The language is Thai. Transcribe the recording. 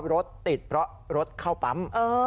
รถติดเพราะรถเข้าปั๊ม